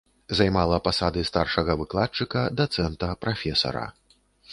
Займала пасады старшага выкладчыка, дацэнта, прафесара.